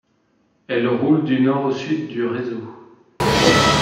Elle roule du nord au sud du réseau.